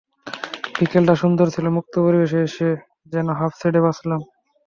বিকেলটা সুন্দর ছিল, মুক্ত পরিবেশে এসে যেনো হাঁফ ছেড়ে বাঁচলাম।